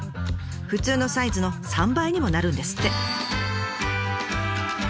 普通のサイズの３倍にもなるんですって。